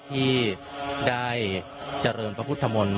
ที่ได้เจริญพระพุทธมนตร์